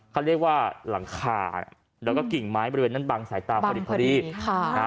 เขาเรียกว่าหลังคาแล้วก็กิ่งไม้บริเวณนั้นบังสายตาพอดีพอดีค่ะนะฮะ